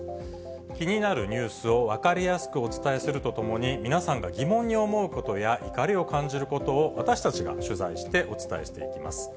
気になるニュースを分かりやすくお伝えするとともに、皆さんが疑問に思うことや、怒りを感じることを、私たちが取材してお伝えしていきます。